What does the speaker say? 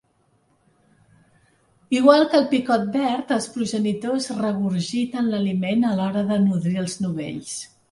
Igual que el picot verd, els progenitors regurgiten l'aliment a l'hora de nodrir els novells.